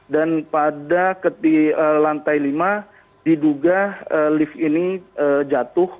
dan pada lantai lima diduga lift ini jatuh